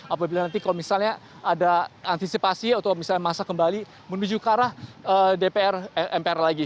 apabila nanti kalau misalnya ada antisipasi atau misalnya masa kembali menuju ke arah dpr mpr lagi